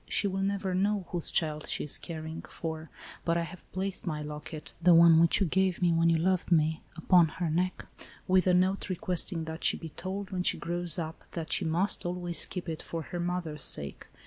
She will never know whose child she is caring 1 98 ALICE ; OR, THE WAGES OF SIN. for, but I have placed my locket, the one which you gave me, when you loved me, upon her neck, with a note requesting that she be told, when she grows up, that she must always keep it, for her mother's sake.